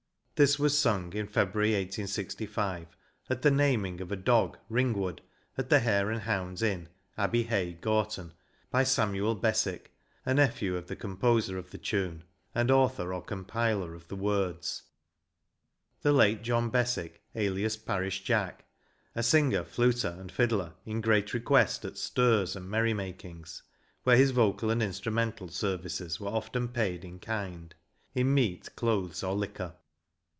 This was sung in February 1865, at the naming of a dog " Ringwood," at the Hare and Hounds inn, Abbey Hey, Gorton, by Samuel 'Beswick, a nephew of the composer of the tune, and author or compiler of the words — the late John Beswick, alias " Parish Jack," a singer, fluter, and fiddler, in great request at " stirs " and merry makings, where his vocal and instrumental services were often paid in kind — in meat, clothes, or liquor.